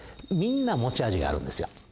みんな持ち味があるんですよ。